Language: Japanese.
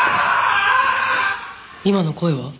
今の声は？